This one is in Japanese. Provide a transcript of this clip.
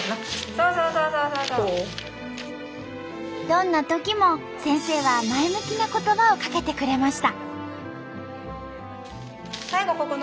どんなときも先生は前向きな言葉をかけてくれました。